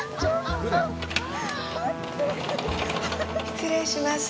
失礼します。